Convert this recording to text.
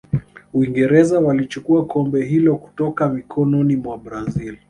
uingereza walichukua kombe hilo kutoka mikononi mwa brazil